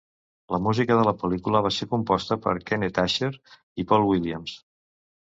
La música de la pel·lícula va ser composta per Kenneth Ascher i Paul Williams.